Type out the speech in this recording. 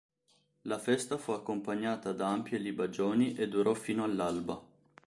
La festa fu accompagnata da ampie libagioni e durò fino all'alba.